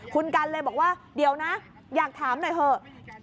คุณกันเลยบอกว่าเดี๋ยวนะอยากถามหน่อยเถอะ